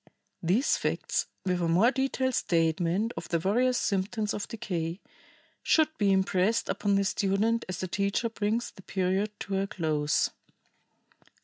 These facts, with a more detailed statement of the various symptoms of decay, should be impressed upon the student as the teacher brings the period to a close.